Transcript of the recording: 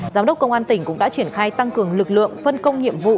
giám đốc công an tỉnh cũng đã triển khai tăng cường lực lượng phân công nhiệm vụ